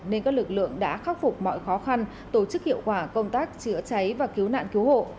nên các lực lượng đã khắc phục mọi khó khăn tổ chức hiệu quả công tác chữa cháy và cứu nạn cứu hộ